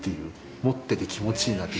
持ってて気持ちいいなって。